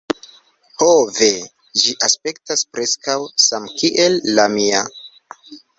Ho, ve. Ĝi aspektas preskaŭ samkiel la mia!